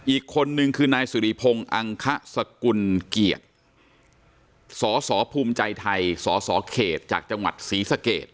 อีกคนนึงคือนายสุริพงศ์อังคสกุลเกียรติสสภูมิใจไทยสสเขตจากจังหวัดศรีสเกต